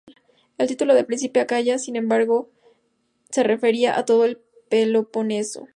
El título de príncipe de Acaya, sin embargo se refería a todo el Peloponeso.